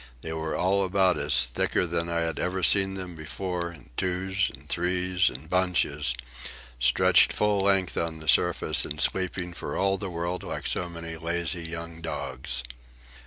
They were all about us, thicker than I had ever seen them before, in twos and threes and bunches, stretched full length on the surface and sleeping for all the world like so many lazy young dogs.